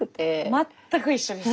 全く一緒です。